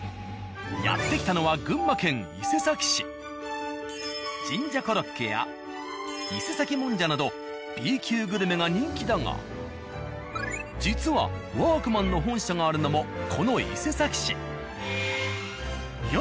やって来たのは群馬県伊勢崎市。などＢ級グルメが人気だが実は「ワークマン」の本社があるのもこの伊勢崎市。